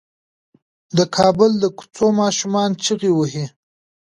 د کابل د کوڅو ماشومان چيغې وهي.